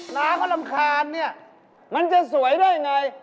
น้าก็รำคาญเนี่ย